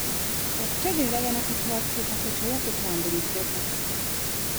Okutegeeragana kwe twatuukako tewakutambuliddeko.